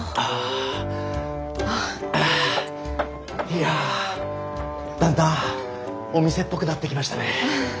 いやだんだんお店っぽくなってきましたね。